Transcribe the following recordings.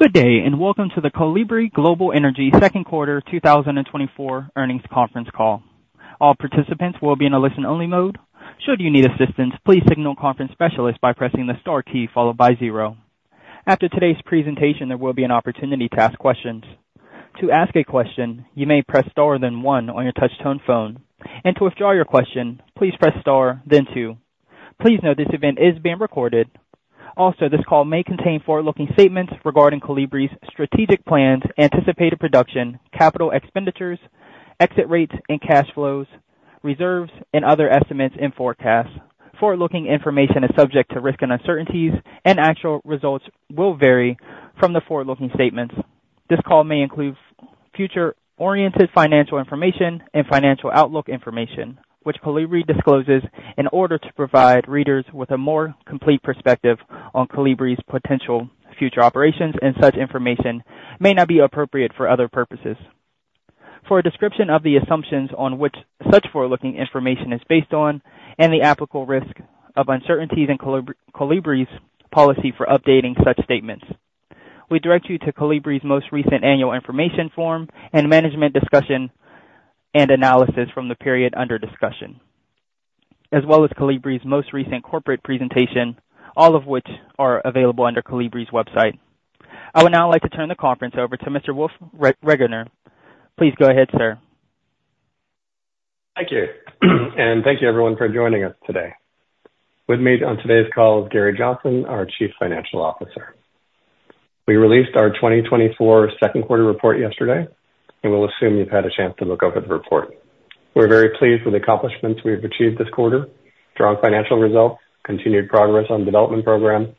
Good day, and welcome to the Kolibri Global Energy second quarter 2024 earnings conference call. All participants will be in a listen-only mode. Should you need assistance, please signal a conference specialist by pressing the star key followed by zero. After today's presentation, there will be an opportunity to ask questions. To ask a question, you may press star, then one on your touchtone phone, and to withdraw your question, please press star, then two. Please note this event is being recorded. Also, this call may contain forward-looking statements regarding Kolibri's strategic plans, anticipated production, capital expenditures, exit rates and cash flows, reserves, and other estimates and forecasts. Forward-looking information is subject to risks and uncertainties, and actual results will vary from the forward-looking statements. This call may include future-oriented financial information and financial outlook information, which Kolibri discloses in order to provide readers with a more complete perspective on Kolibri's potential future operations, and such information may not be appropriate for other purposes. For a description of the assumptions on which such forward-looking information is based on and the applicable risk of uncertainties in Kolibri, Kolibri's policy for updating such statements, we direct you to Kolibri's most recent annual information form and management discussion and analysis from the period under discussion, as well as Kolibri's most recent corporate presentation, all of which are available under Kolibri's website. I would now like to turn the conference over to Mr. Wolf Regener. Please go ahead, sir. Thank you. And thank you, everyone, for joining us today. With me on today's call is Gary Johnson, our CFO. We released our 2024 second quarter report yesterday, and we'll assume you've had a chance to look over the report. We're very pleased with the accomplishments we've achieved this quarter. Strong financial results, continued progress on development program,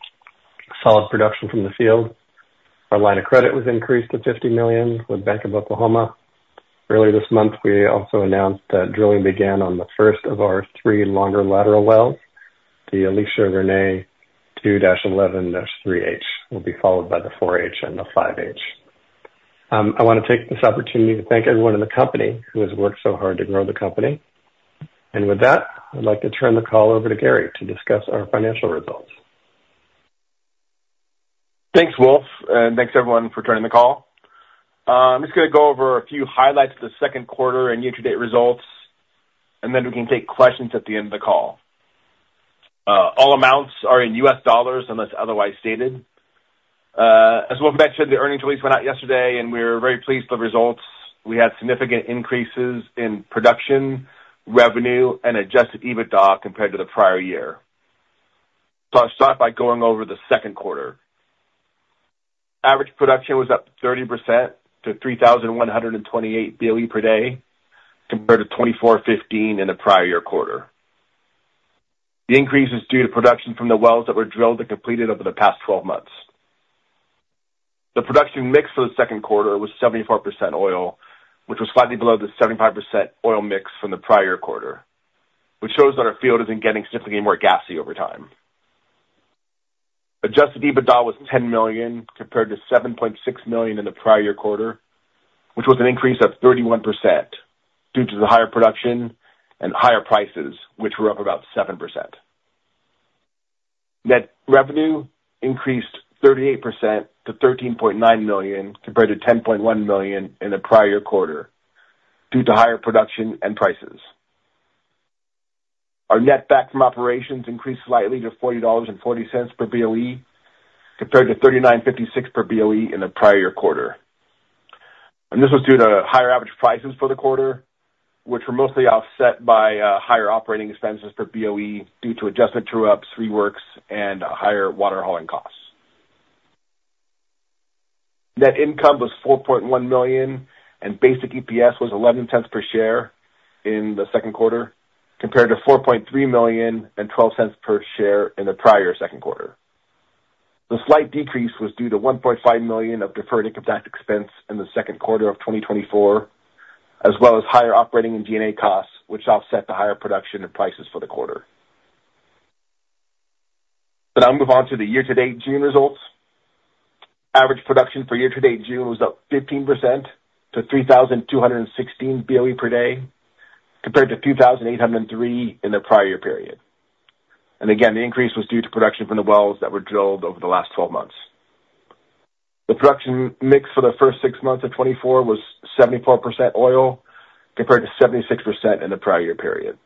solid production from the field. Our line of credit was increased to $50 million with Bank of Oklahoma. Earlier this month, we also announced that drilling began on the first of our three longer lateral wells. The Alicia Renee 2-11-3H will be followed by the 4H and the 5H. I want to take this opportunity to thank everyone in the company who has worked so hard to grow the company. With that, I'd like to turn the call over to Gary to discuss our financial results. Thanks, Wolf, and thanks, everyone, for joining the call. I'm just going to go over a few highlights of the second quarter and year-to-date results, and then we can take questions at the end of the call. All amounts are in U.S. dollars unless otherwise stated. As Wolf mentioned, the earnings release went out yesterday, and we're very pleased with the results. We had significant increases in production, revenue, and Adjusted EBITDA compared to the prior year. I'll start by going over the second quarter. Average production was up 30% to 3,128 BOE per day, compared to 2,415 in the prior year quarter. The increase is due to production from the wells that were drilled and completed over the past 12 months. The production mix for the second quarter was 74% oil, which was slightly below the 75% oil mix from the prior quarter, which shows that our field isn't getting significantly more gassy over time. Adjusted EBITDA was $10 million, compared to $7.6 million in the prior year quarter, which was an increase of 31% due to the higher production and higher prices, which were up about 7%. Net revenue increased 38% to $13.9 million, compared to $10.1 million in the prior quarter, due to higher production and prices. Our netback from operations increased slightly to $40.40 per BOE, compared to $39.56 per BOE in the prior year quarter. This was due to higher average prices for the quarter, which were mostly offset by higher operating expenses per BOE due to adjusted true-ups, reworks, and higher water hauling costs. Net income was $4.1 million, and basic EPS was $0.11 per share in the second quarter, compared to $4.3 million and $0.12 per share in the prior second quarter. The slight decrease was due to $1.5 million of deferred income tax expense in the second quarter of 2024, as well as higher operating and G&A costs, which offset the higher production and prices for the quarter. I'll move on to the year-to-date June results. Average production for year-to-date June was up 15% to 3,216 BOE per day, compared to 2,803 in the prior year period. And again, the increase was due to production from the wells that were drilled over the last 12 months. The production mix for the first six months of 2024 was 74% oil, compared to 76% in the prior year period.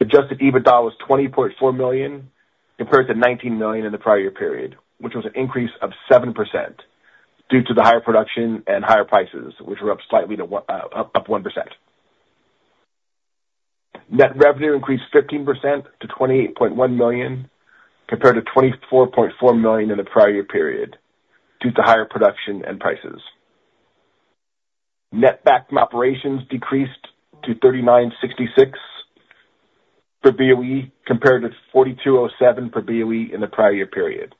Adjusted EBITDA was $20.4 million, compared to $19 million in the prior year period, which was an increase of 7% due to the higher production and higher prices, which were up slightly to 1%. Net revenue increased 15% to $28.1 million, compared to $24.4 million in the prior year period, due to higher production and prices. Netback from operations decreased to $39.66/BOE, compared to $42.07/BOE in the prior year period.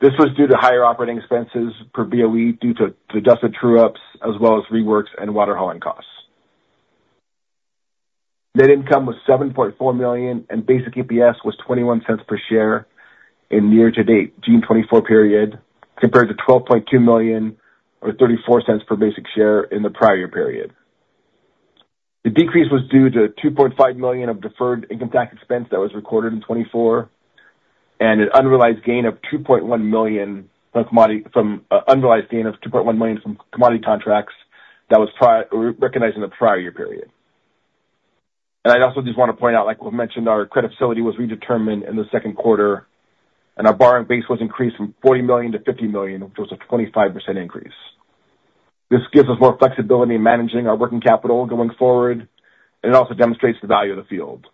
This was due to higher operating expenses per BOE due to adjusted true-ups as well as reworks and water hauling costs. Net income was $7.4 million, and basic EPS was $0.21 per share in year-to-date June 2024 period, compared to $12.2 million or $0.34 per basic share in the prior period. The decrease was due to $2.5 million of deferred income tax expense that was recorded in 2024, and an unrealized gain of $2.1 million from commodity contracts that was recognized in the prior year period. And I'd also just want to point out, like we've mentioned, our credit facility was redetermined in the second quarter, and our borrowing base was increased from $40 million-$50 million, which was a 25% increase. This gives us more flexibility in managing our working capital going forward, and it also demonstrates the value of the field.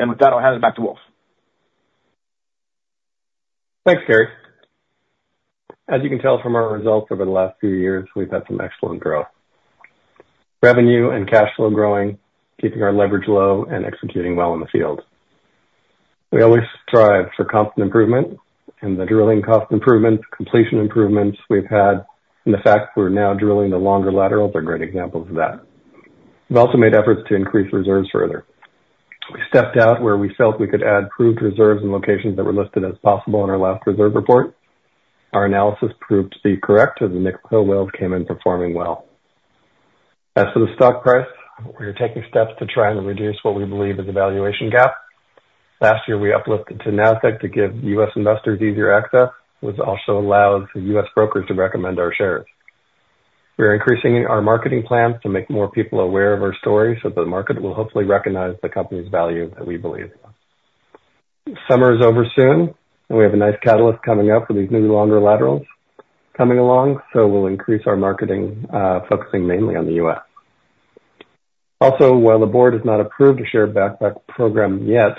With that, I'll hand it back to Wolf. Thanks, Gary. As you can tell from our results over the last few years, we've had some excellent growth. Revenue and cash flow growing, keeping our leverage low and executing well in the field. We always strive for constant improvement and the drilling cost improvements, completion improvements we've had, and the fact we're now drilling the longer laterals are great examples of that. We've also made efforts to increase reserves further. We stepped out where we felt we could add proved reserves in locations that were listed as possible in our last reserve report. Our analysis proved to be correct, as the Nickel Hill wells came in performing well. As for the stock price, we are taking steps to try and reduce what we believe is a valuation gap. Last year, we uplisted to Nasdaq to give U.S. investors easier access, which also allows for U.S. brokers to recommend our shares. We are increasing our marketing plans to make more people aware of our story, so the market will hopefully recognize the company's value that we believe in. Summer is over soon, and we have a nice catalyst coming up with these new longer laterals coming along, so we'll increase our marketing, focusing mainly on the U.S. Also, while the board has not approved a share buyback program yet,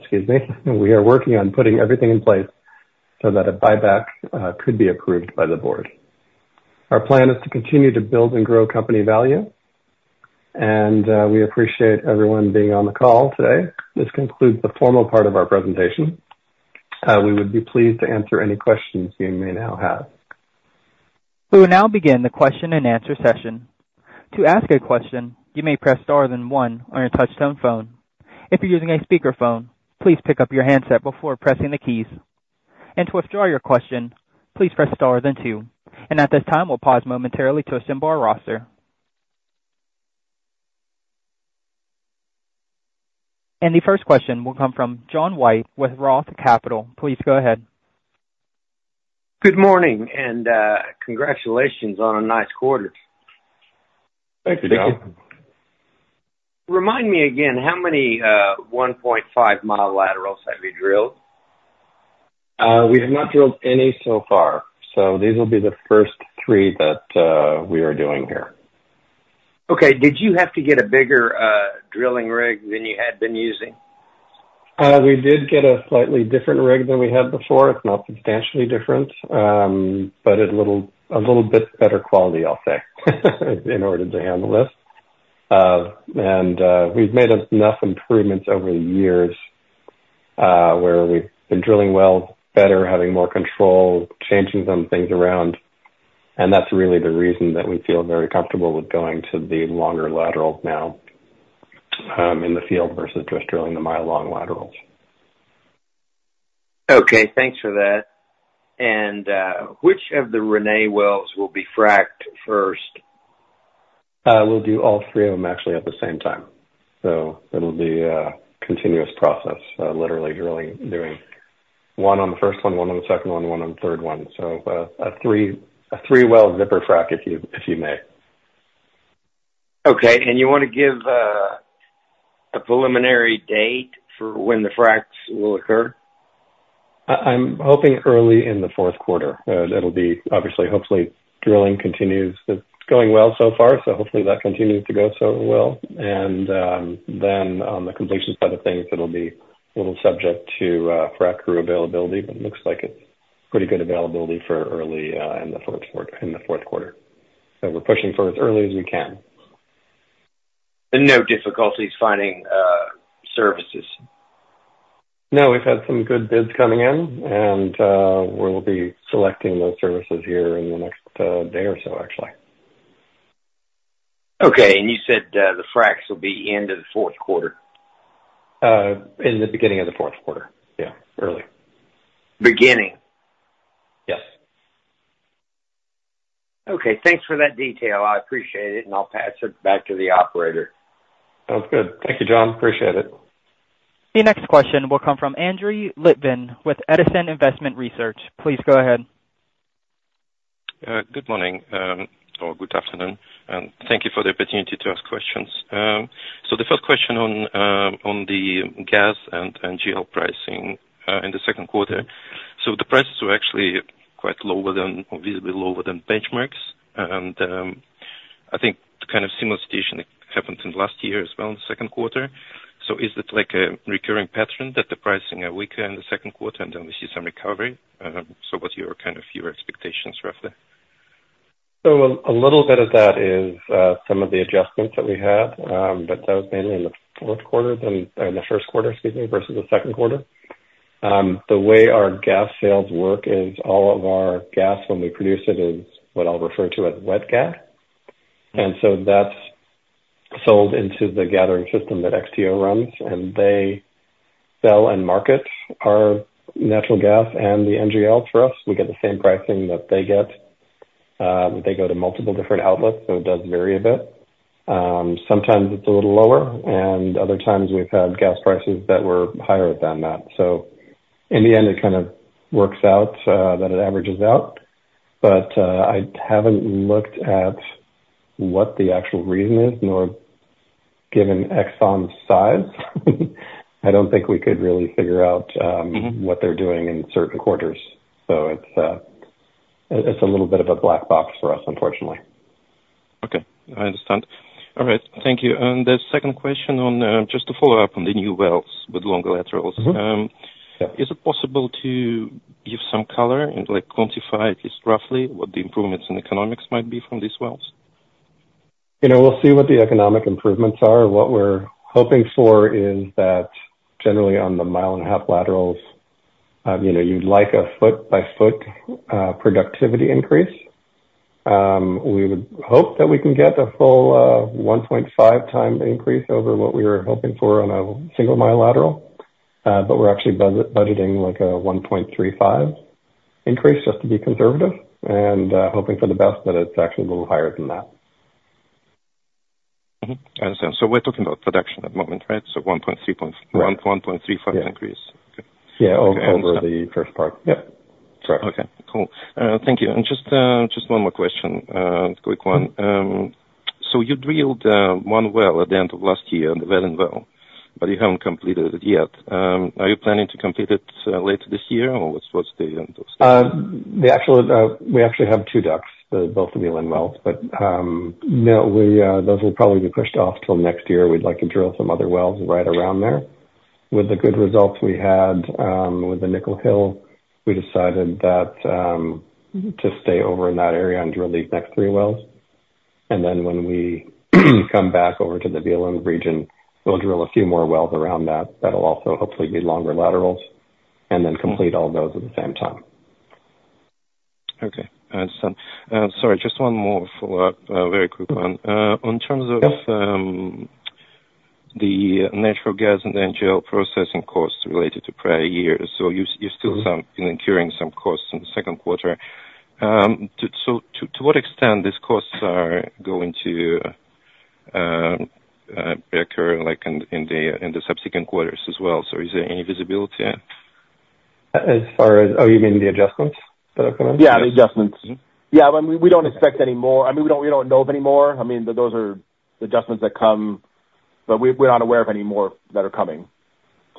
excuse me, we are working on putting everything in place so that a buyback could be approved by the board. Our plan is to continue to build and grow company value, and we appreciate everyone being on the call today. This concludes the formal part of our presentation. We would be pleased to answer any questions you may now have. We will now begin the question-and-answer session. To ask a question, you may press star then one on your touchtone phone. If you're using a speakerphone, please pick up your handset before pressing the keys. To withdraw your question, please press stars and two. At this time, we'll pause momentarily to assemble our roster. The first question will come from John White with Roth Capital. Please go ahead. Good morning, and, congratulations on a nice quarter. Thank you, John. Thank you. Remind me again, how many 1.5-mile laterals have you drilled? We have not drilled any so far, so these will be the first three that we are doing here. Okay. Did you have to get a bigger drilling rig than you had been using? We did get a slightly different rig than we had before. It's not substantially different, but a little, a little bit better quality, I'll say, in order to handle this. And we've made enough improvements over the years, where we've been drilling well, better, having more control, changing some things around, and that's really the reason that we feel very comfortable with going to the longer laterals now, in the field, versus just drilling the mile-long laterals. Okay, thanks for that. Which of the Renee wells will be fracked first? We'll do all three of them actually at the same time. So it'll be a continuous process, literally drilling, doing one on the first one, one on the second one, and one on the third one. So, a three-well zipper frac, if you may. Okay. And you want to give a preliminary date for when the fracs will occur? I'm hoping early in the fourth quarter. That'll be obviously... Hopefully, drilling continues. It's going well so far, so hopefully that continues to go so well. And, then on the completion side of things, it'll be a little subject to, frac crew availability, but it looks like it's pretty good availability for early, in the fourth quarter, in the fourth quarter. So we're pushing for as early as we can. And no difficulties finding services? No, we've had some good bids coming in, and we will be selecting those services here in the next day or so, actually. Okay. And you said, the fracs will be end of the fourth quarter? In the beginning of the fourth quarter. Yeah, early. Beginning? Yes. Okay, thanks for that detail. I appreciate it, and I'll pass it back to the operator. Sounds good. Thank you, John. Appreciate it. The next question will come from Andrey Litvin with Edison Investment Research. Please go ahead. Good morning, or good afternoon, and thank you for the opportunity to ask questions. The first question on the gas and NGL pricing in the second quarter. The prices were actually quite lower than, obviously lower than benchmarks. I think the kind of similar situation happened in last year as well in the second quarter. Is it like a recurring pattern, that the pricing are weaker in the second quarter and then we see some recovery? What's your kind of, your expectations for that? So a little bit of that is some of the adjustments that we had, but that was mainly in the fourth quarter than in the first quarter, excuse me, versus the second quarter. The way our gas sales work is all of our gas, when we produce it, is what I'll refer to as wet gas. And so that's sold into the gathering system that XTO runs, and they sell and market our natural gas and the NGL for us. We get the same pricing that they get. They go to multiple different outlets, so it does vary a bit. Sometimes it's a little lower, and other times we've had gas prices that were higher than that. So in the end, it kind of works out that it averages out. But, I haven't looked at what the actual reason is, nor given Exxon's size, I don't think we could really figure out. Mm-hmm. -what they're doing in certain quarters. So it's, it's a little bit of a black box for us, unfortunately. Okay, I understand. All right. Thank you. And the second question on, just to follow up on the new wells with longer laterals. Mm-hmm. Yeah. Is it possible to give some color and, like, quantify, at least roughly, what the improvements in economics might be from these wells? You know, we'll see what the economic improvements are. What we're hoping for is that generally on the 1.5-mile laterals, you know, you'd like a foot-by-foot productivity increase. We would hope that we can get a full 1.5 times increase over what we were hoping for on a 1-mile lateral. But we're actually budgeting like a 1.35 increase, just to be conservative, and hoping for the best, that it's actually a little higher than that. Mm-hmm. I understand. So we're talking about production at the moment, right? So 1.3 point- Right. 1, 1.35 increase. Yeah. Okay. Yeah, over, over the first part. Yep. Sorry. Okay, cool. Thank you. And just, just one more question, quick one. So you drilled one well at the end of last year, the Velin well, but you haven't completed it yet. Are you planning to complete it later this year, or what's, what's the end of this? The actual, we actually have two DUCs, both the Velin wells. But, no, those will probably be pushed off till next year. We'd like to drill some other wells right around there. With the good results we had, with the Nickel Hill, we decided that, to stay over in that area and drill these next three wells. And then when we come back over to the Velin region, we'll drill a few more wells around that, that'll also hopefully be longer laterals, and then complete all those at the same time. Okay, understood. Sorry, just one more follow-up. Very quick one. Mm-hmm. On terms of- Yep ... the natural gas and the NGL processing costs related to prior years, so you're still incurring some costs in the second quarter. To what extent are these costs going to reoccur, like, in the subsequent quarters as well? So is there any visibility? As far as... Oh, you mean the adjustments that are coming? Yeah, the adjustments. Mm-hmm. Yeah, but we don't expect any more. I mean, we don't know of any more. I mean, those are adjustments that come, but we're not aware of any more that are coming,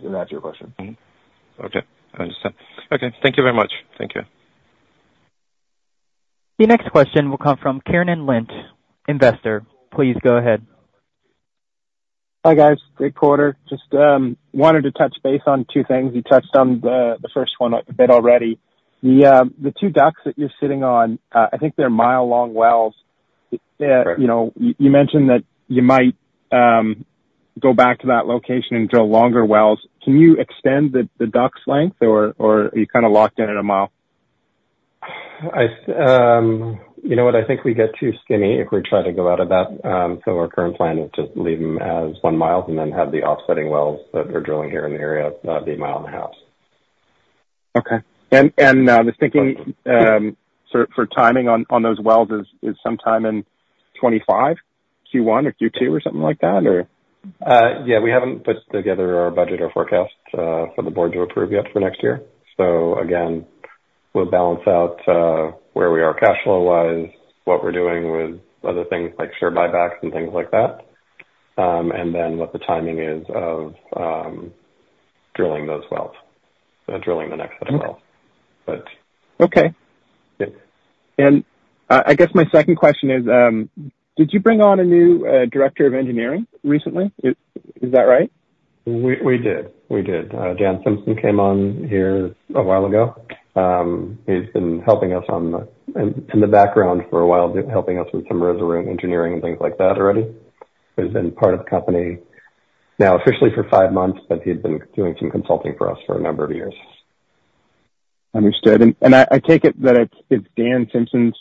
if that's your question. Mm-hmm. Okay, I understand. Okay, thank you very much. Thank you. The next question will come from Kieran Lynch, investor. Please go ahead. Hi, guys. Great quarter. Just wanted to touch base on two things. You touched on the first one a bit already. The two DUCs that you're sitting on, I think they're mile-long wells. Correct. You know, you mentioned that you might go back to that location and drill longer wells. Can you extend the DUC's length, or are you kind of locked in at a mile? You know what? I think we get too skinny if we try to go out of that. So our current plan is just leave them as one mile and then have the offsetting wells that we're drilling here in the area be a mile and a half. Okay. And just thinking for timing on those wells is sometime in 2025, Q1 or Q2, or something like that, or? Yeah, we haven't put together our budget or forecast for the board to approve yet for next year. So again, we'll balance out where we are cash flow-wise, what we're doing with other things like share buybacks and things like that, and then what the timing is of drilling those wells, drilling the next set of wells. Okay. But- Okay. Yeah. I guess my second question is, did you bring on a new director of engineering recently? Is that right? We, we did. We did. Dan Simpson came on here a while ago. He's been helping us in the background for a while, helping us with some reservoir engineering and things like that already. He's been part of the company now officially for five months, but he's been doing some consulting for us for a number of years. Understood. I take it that it's Dan Simpson's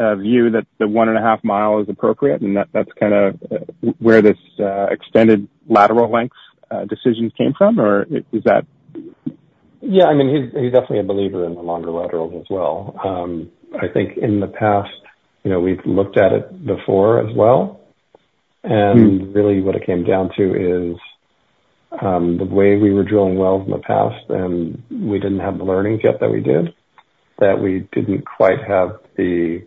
view that the 1.5-mile is appropriate, and that's kind of where this extended lateral length decision came from? Or is that- Yeah, I mean, he's definitely a believer in the longer laterals as well. I think in the past, you know, we've looked at it before as well. Mm-hmm. And really what it came down to is, the way we were drilling wells in the past, and we didn't have the learnings yet that we did, that we didn't quite have the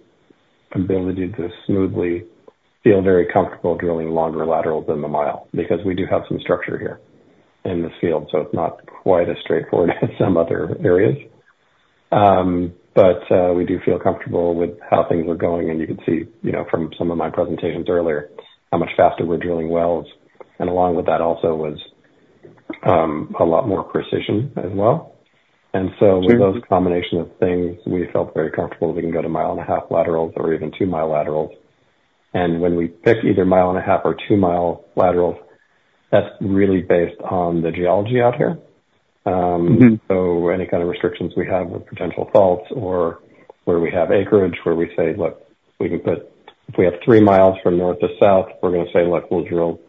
ability to smoothly feel very comfortable drilling longer laterals than the mile, because we do have some structure here in this field, so it's not quite as straightforward as some other areas. But, we do feel comfortable with how things are going, and you can see, you know, from some of my presentations earlier, how much faster we're drilling wells. And along with that also was, a lot more precision as well. Sure. So with those combination of things, we felt very comfortable we can go to 1.5-mile laterals or even 2-mile laterals. And when we pick either 1.5-mile or 2-mile laterals. That's really based on the geology out here. So any kind of restrictions we have with potential faults or where we have acreage, where we say, look, we can put if we have 3 miles from north to south, we're gonna say, look, we'll drill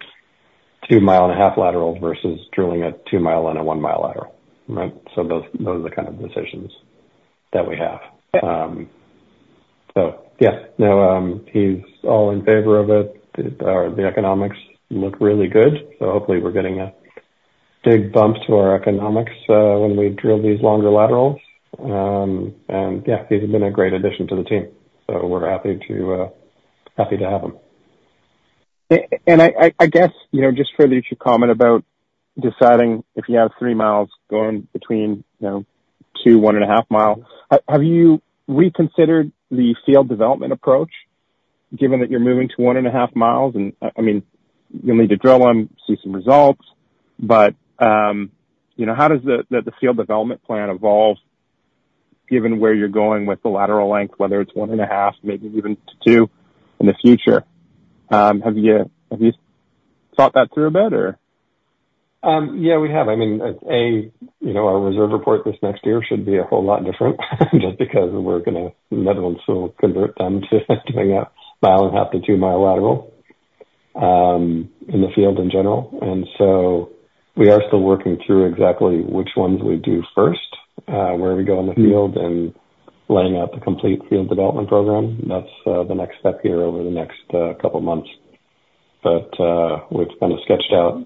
2.5-mile lateral versus drilling a 2-mile and a 1-mile lateral, right? So those, those are the kind of decisions that we have. So yeah, no, he's all in favor of it. The economics look really good, so hopefully we're getting a big bump to our economics when we drill these longer laterals. And yeah, he's been a great addition to the team, so we're happy to, happy to have him. And I, I guess, you know, just for your comment about deciding if you have three miles going between, you know, two, one and a half mile, have you reconsidered the field development approach, given that you're moving to one and a half miles? And, I mean, you'll need to drill them, see some results, but, you know, how does the field development plan evolve, given where you're going with the lateral length, whether it's one and a half, maybe even to two in the future? Have you thought that through a bit, or? Yeah, we have. I mean, you know, our reserve report this next year should be a whole lot different, just because we're gonna Netherland, Sewell will convert them to doing a 1.5- to 2-mile lateral, in the field in general. And so we are still working through exactly which ones we do first, where we go on the field and laying out the complete field development program. That's the next step here over the next couple months. But, it's kind of sketched out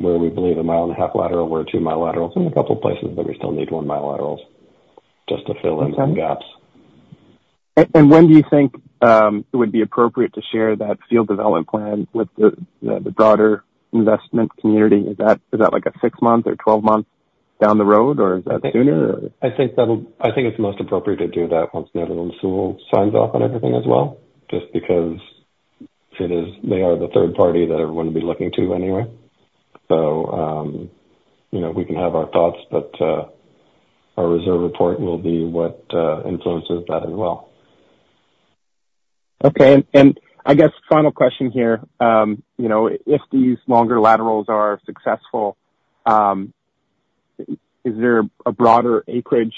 where we believe a 1.5-mile lateral, we're a 2-mile lateral in a couple places, but we still need 1-mile laterals just to fill in some gaps. And when do you think it would be appropriate to share that field development plan with the broader investment community? Is that like a 6-month or 12-month down the road, or is that sooner? I think it's most appropriate to do that once Netherland, Sewell signs off on everything as well, just because it is... They are the third party that everyone will be looking to anyway. So, you know, we can have our thoughts, but, our reserve report will be what influences that as well. Okay. And I guess final question here, you know, if these longer laterals are successful, is there a broader acreage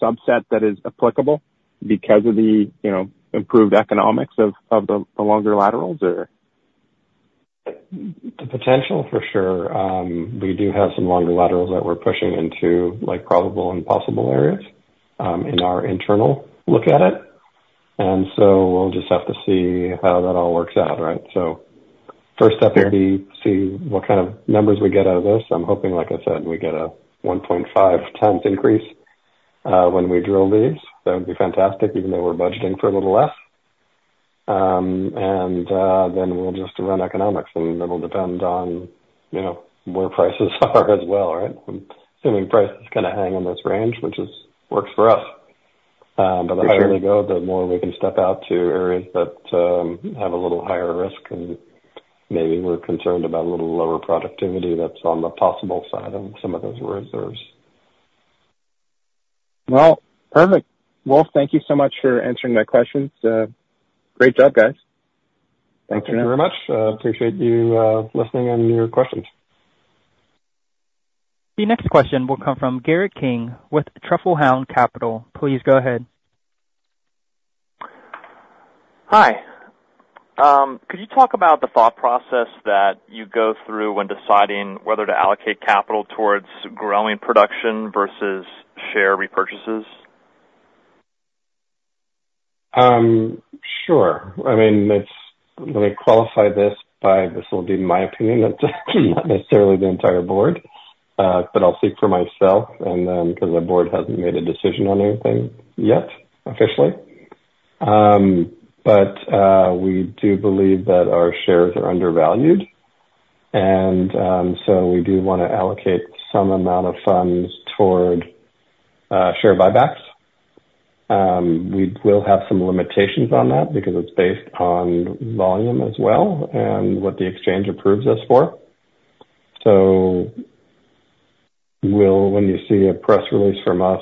subset that is applicable because of the, you know, improved economics of the longer laterals or? The potential for sure. We do have some longer laterals that we're pushing into, like, probable and possible areas, in our internal look at it. And so we'll just have to see how that all works out, right? So first step will be to see what kind of numbers we get out of this. I'm hoping, like I said, we get a 1.5x increase, when we drill these. That would be fantastic, even though we're budgeting for a little less. Then we'll just run economics, and it'll depend on, you know, where prices are as well, right? I'm assuming prices kind of hang in this range, which works for us. But the higher we go, the more we can step out to areas that have a little higher risk and maybe we're concerned about a little lower productivity that's on the possible side of some of those reserves. Well, perfect. Well, thank you so much for answering my questions. Great job, guys. Thank you very much. Appreciate you listening and your questions. The next question will come from Garrett King with Truffle Hound Capital. Please go ahead. Hi. Could you talk about the thought process that you go through when deciding whether to allocate capital towards growing production versus share repurchases? Sure. I mean, let me qualify this by this will be my opinion, not necessarily the entire board, but I'll speak for myself and, because the board hasn't made a decision on anything yet, officially. But, we do believe that our shares are undervalued, and, so we do want to allocate some amount of funds toward, share buybacks. We will have some limitations on that because it's based on volume as well, and what the exchange approves us for. So we'll, when you see a press release from us,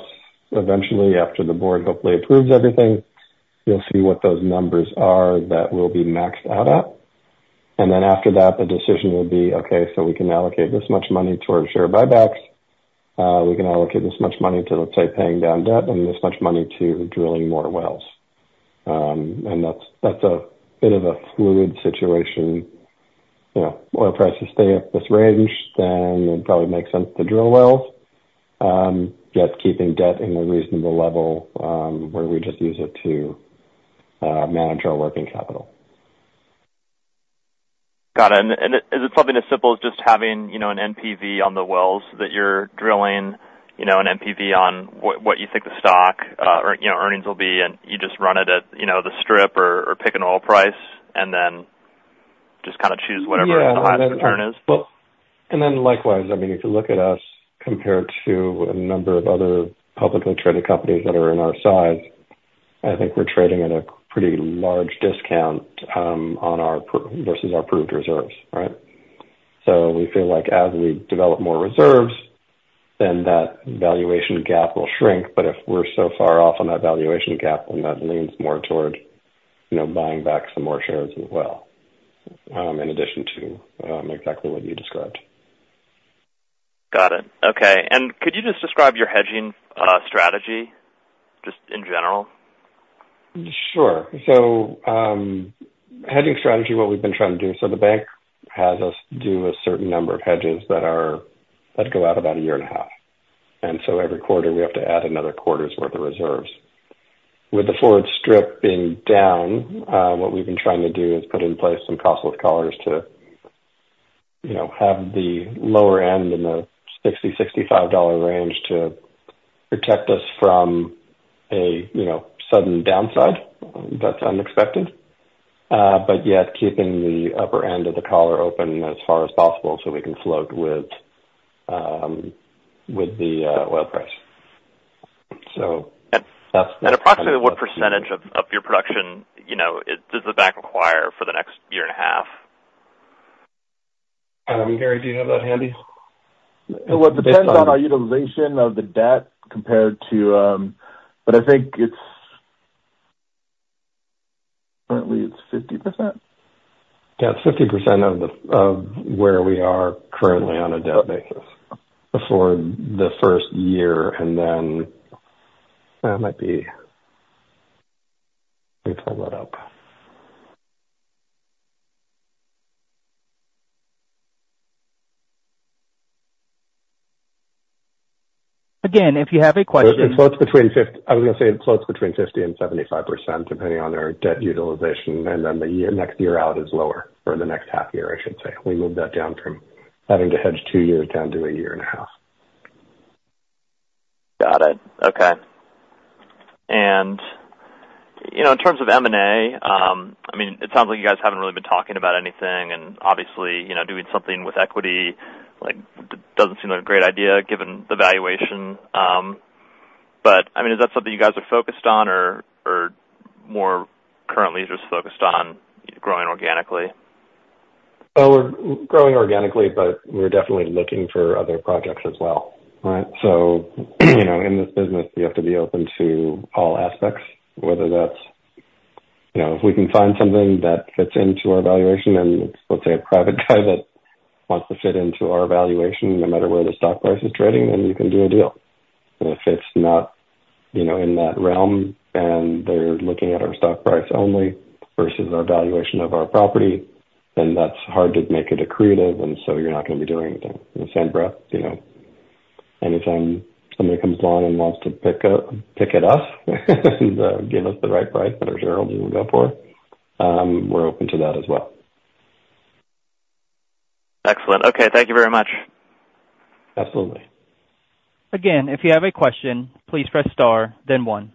eventually, after the board hopefully approves everything, you'll see what those numbers are that we'll be maxed out at. And then after that, the decision will be, okay, so we can allocate this much money towards share buybacks. We can allocate this much money to, let's say, paying down debt and this much money to drilling more wells. And that's, that's a bit of a fluid situation. You know, oil prices stay at this range, then it probably makes sense to drill wells. Just keeping debt in a reasonable level, where we just use it to manage our working capital. Got it. And is it something as simple as just having, you know, an NPV on the wells that you're drilling, you know, an NPV on what you think the stock, or, you know, earnings will be, and you just run it at, you know, the strip or pick an oil price, and then just kind of choose whatever the highest return is? Well, and then likewise, I mean, if you look at us compared to a number of other publicly traded companies that are in our size, I think we're trading at a pretty large discount on our P/R versus our proved reserves, right? So we feel like as we develop more reserves, then that valuation gap will shrink. But if we're so far off on that valuation gap, then that leans more toward, you know, buying back some more shares as well, in addition to exactly what you described. Got it. Okay. And could you just describe your hedging strategy, just in general? Sure. So, hedging strategy, what we've been trying to do, so the bank has us do a certain number of hedges that go out about a year and a half, and so every quarter, we have to add another quarter's worth of reserves. With the forward strip being down, what we've been trying to do is put in place some costless collars to, you know, have the lower end in the $60-$65 dollar range to protect us from a, you know, sudden downside that's unexpected, but yet keeping the upper end of the collar open as far as possible so we can float with, with the, oil price. So that's- Approximately what percentage of your production, you know, does the bank require for the next year and a half? Gary, do you have that handy? Well, it depends on our utilization of the debt compared to... But I think it's, currently, it's 50%. Yeah, it's 50% of the, of where we are currently on a debt basis for the first year, and then, it might be... Let me pull that up. Again, if you have a question- It floats between—I was going to say, it floats between 50% and 75%, depending on our debt utilization, and then the year, next year out is lower, or the next half year, I should say. We moved that down from having to hedge two years down to a year and a half. Got it. Okay. And, you know, in terms of M&A, I mean, it sounds like you guys haven't really been talking about anything, and obviously, you know, doing something with equity, like, doesn't seem like a great idea given the valuation. But, I mean, is that something you guys are focused on or, or more currently just focused on growing organically? Well, we're growing organically, but we're definitely looking for other projects as well, right? So, you know, in this business, you have to be open to all aspects, whether that's, you know, if we can find something that fits into our valuation, and let's say a private guy that wants to fit into our valuation, no matter where the stock price is trading, then we can do a deal. And if it's not, you know, in that realm and they're looking at our stock price only versus our valuation of our property, then that's hard to make it accretive, and so you're not going to be doing anything. In the same breath, you know, anytime somebody comes along and wants to pick it up, and give us the right price that our shareholders will go for, we're open to that as well. Excellent. Okay. Thank you very much. Absolutely. Again, if you have a question, please press star then one.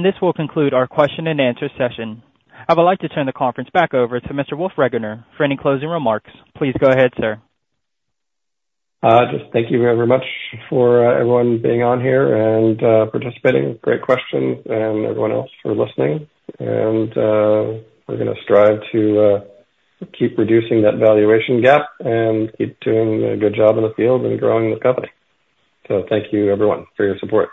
This will conclude our question and answer session. I would like to turn the conference back over to Mr. Wolf Regener for any closing remarks. Please go ahead, sir. Just thank you very much for everyone being on here and participating. Great questions, and everyone else for listening. We're going to strive to keep reducing that valuation gap and keep doing a good job in the field and growing the company. Thank you, everyone, for your support.